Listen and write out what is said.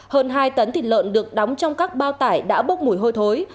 hơn hai tấn thịt lợn được đóng trong các bao tải đã bốc mùi hôi thối